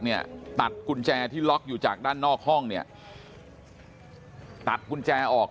เนี่ยตัดกุญแจที่ล็อกอยู่จากด้านนอกห้องเนี่ยตัดกุญแจออก